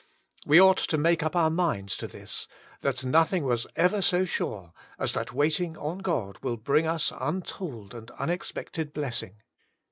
"We ought to make up our minds to this, that nothing was ever so sure, as that waiting on God will bring us untold and unexpected blessing.